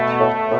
nih bolok ke dalam